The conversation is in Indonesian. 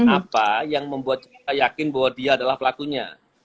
apa yang membuat kita yakin bahwa dia adalah pelakunya